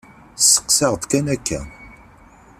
Steqsaɣ-d kan akka.